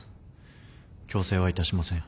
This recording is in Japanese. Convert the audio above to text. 強制はいたしません。